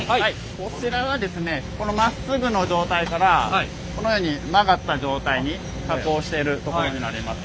こちらはですねこのまっすぐの状態からこのように曲がった状態に加工してるところになります。